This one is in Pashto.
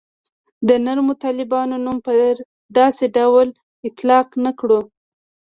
د نرمو طالبانو نوم پر داسې ډلو اطلاق نه کړو.